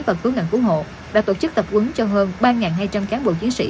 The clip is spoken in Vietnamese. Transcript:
và cứu nạn cứu hộ đã tổ chức tập quấn cho hơn ba hai trăm linh cán bộ chiến sĩ